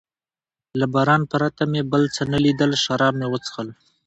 له باران پرته مې بل څه نه لیدل، شراب مې و څښل.